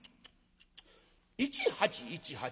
１８１８。